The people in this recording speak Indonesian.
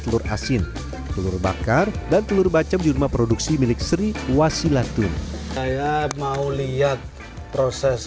telur asin telur bakar dan telur bacem di rumah produksi milik sri wasilatun saya mau lihat proses